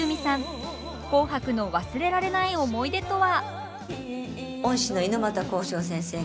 「紅白」の忘れられない思い出とは？